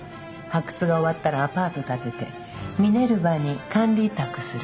発掘が終わったらアパート建ててミネルヴァに管理委託する。